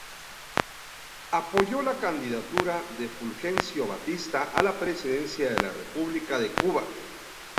Apoyó la candidatura de Fulgencio Batista a la presidencia de la República de Cuba.